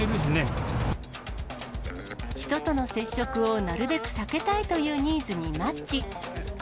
人との接触をなるべく避けたいというニーズにマッチ。